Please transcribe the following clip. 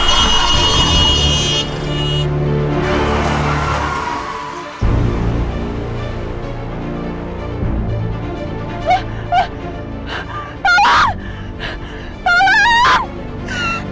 aku tulus mencintai kamu